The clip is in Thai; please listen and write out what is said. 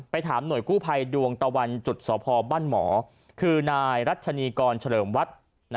ถามหน่วยกู้ภัยดวงตะวันจุดสพบ้านหมอคือนายรัชนีกรเฉลิมวัด